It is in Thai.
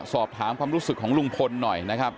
สอบถามความรู้สึกของลุงพลหน่อยนะครับ